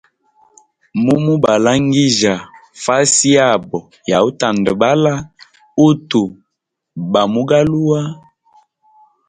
Mumu balangija fasi yabo yautandabala utu bamu galuwa.